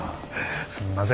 すんません